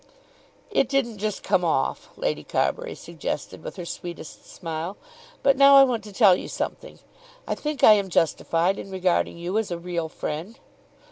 "It didn't just come off," Lady Carbury suggested with her sweetest smile. "But now I want to tell you something. I think I am justified in regarding you as a real friend."